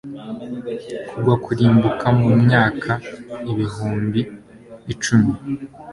Kugwa kurimbuka mumyaka ibihumbi icumi